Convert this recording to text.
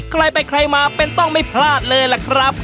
ใครไปใครมาเป็นต้องไม่พลาดเลยล่ะครับ